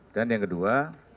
dan yang kedua